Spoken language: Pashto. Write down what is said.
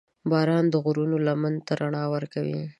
• باران د غرونو لمن ته رڼا ورکوي.